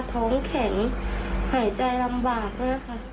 ท้องแข็งหายใจลำบากด้วยค่ะ